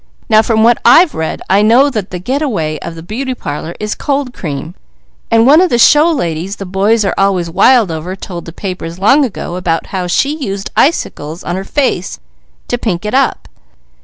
Now from what I've read, I know that the get a way of the beauty parlours is cold cream. And one of the show ladies the boys are always wild over told the papers long ago 'bout how she used icicles on her face to pink it up.